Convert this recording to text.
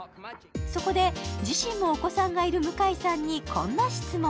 そこで、自身もお子さんがいる向井さんにこんな質問。